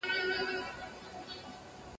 د واه ، واه يې باندي جوړ كړل بارانونه